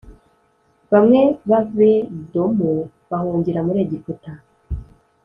bamwe b’Abedomu bahungira muri Egiputa